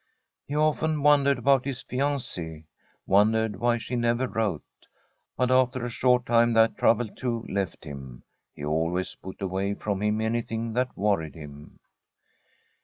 He often wondered about his fiancee — wondered why she never wrote. But after a short time that trouble, too, left him. He always put away from him anything that worried him.